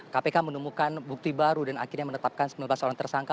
kpk menemukan bukti baru dan akhirnya menetapkan sembilan belas orang tersangka